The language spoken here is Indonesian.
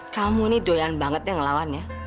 kamu ini doyan banget yang ngelawan ya